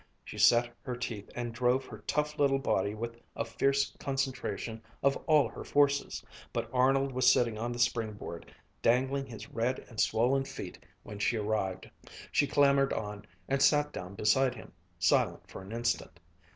She set her teeth and drove her tough little body with a fierce concentration of all her forces, but Arnold was sitting on the springboard, dangling his red and swollen feet when she arrived. She clambered out and sat down beside him, silent for an instant.